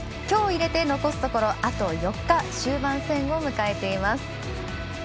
きょうを入れて残すところあと４日終盤戦を迎えています。